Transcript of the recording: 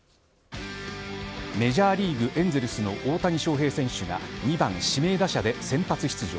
メジャーリーグエンゼルスの大谷翔平選手が２番、指名打者で先発出場。